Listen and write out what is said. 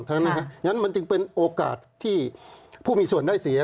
เพราะฉะนั้นมันจึงเป็นโอกาสที่ผู้มีส่วนได้เสีย